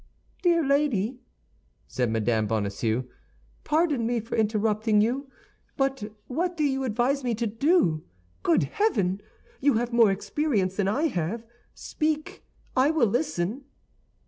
"Dear lady," said Mme. Bonacieux, "pardon me for interrupting you; but what do you advise me to do? Good heaven! You have more experience than I have. Speak; I will listen."